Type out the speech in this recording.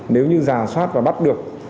nếu như rào soát và bắt được